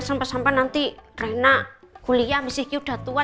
sampai sampai nanti reina kuliah miss gigi udah tua